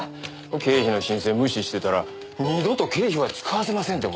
経費の申請無視してたら二度と経費は使わせませんって脅すんだぜ。